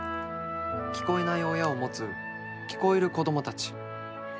聞こえない親を持つ聞こえる子供たち。